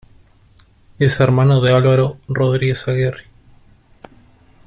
Es hermano de Álvaro Rodríguez Arregui.